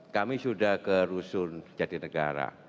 kami sudah ke rusun jati negara